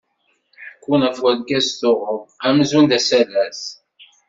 Ḥekkun ɣef urgaz tuɣeḍ, amzun d asalas.